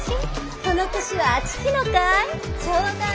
・その櫛はあちきのかい？